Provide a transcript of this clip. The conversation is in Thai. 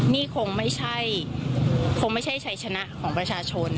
นี่คงไม่ใช่คงไม่ใช่ชัยชนะของประชาชน